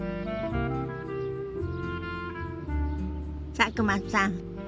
佐久間さん